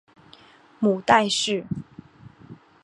母戴氏。